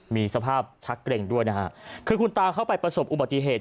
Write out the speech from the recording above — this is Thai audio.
มีสภาพชักเกร็งด้วยนะฮะคือคุณตาเข้าไปประสบอุบัติเหตุ